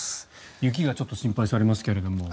雪がちょっと心配されますけれども。